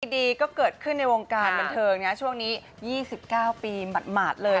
ดีก็เกิดขึ้นในวงการบันเทิงนะช่วงนี้๒๙ปีหมาดเลย